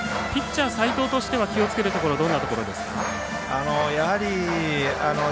ピッチャー、齋藤堅史としては気をつけるところどこですか？